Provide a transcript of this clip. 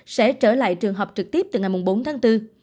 sẽ trở lại trường học trực tiếp từ ngày bốn tháng bốn